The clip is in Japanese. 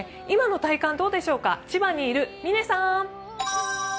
今の体感どうでしょうか、千葉にいる嶺さん。